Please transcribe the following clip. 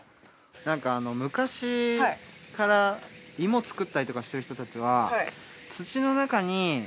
なんか昔から芋作ったりとかしてる人たちは。